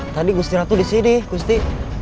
tadi gusti ratu disini gusti